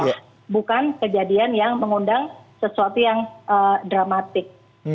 karena bukan kejadian yang mengundang sesuatu yang dramatik